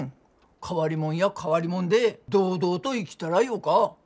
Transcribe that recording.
変わりもんや変わりもんで堂々と生きたらよか。